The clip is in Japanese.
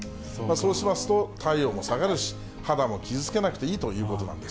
そうしますと体温も下がるし、肌も傷つけなくていいということなんです。